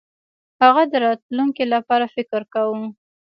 هغه د راتلونکي لپاره فکر کاوه.